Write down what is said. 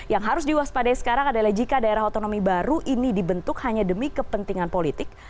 yang harus diwaspadai sekarang adalah jika daerah otonomi baru ini dibentuk hanya demi kepentingan politik